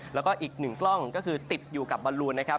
แล้วก็อีกหนึ่งกล้องก็คือติดอยู่กับบอลลูนนะครับ